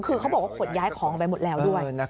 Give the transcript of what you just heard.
คือเขาบอกว่าขนย้ายของไปหมดแล้วด้วย